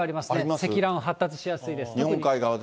積乱雲発達しやすいです。